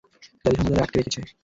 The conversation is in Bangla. জাতিসংঘ তাদের আটকে রেখেছে।